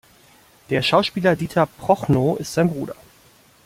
Der Schauspieler Dieter Prochnow ist sein Bruder.